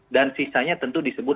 pak jokowi memelukai uang telur